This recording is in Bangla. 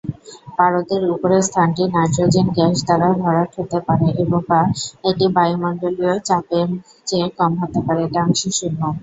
পারদের উপরে স্থানটি নাইট্রোজেন গ্যাস দ্বারা ভরাট হতে পারে বা এটি বায়ুমণ্ডলীয় চাপের চেয়ে কম হতে পারে, এটি আংশিক শূন্য।